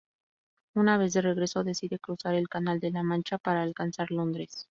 Una vez de regreso, decide cruzar el canal de la Mancha para alcanzar Londres.